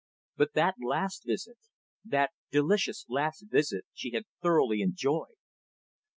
But that last visit, that delicious last visit, she had thoroughly enjoyed.